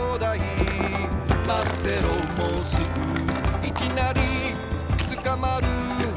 「まってろもうすぐ」「いきなりつかまる」